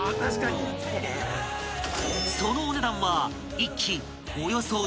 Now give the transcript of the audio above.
［そのお値段は］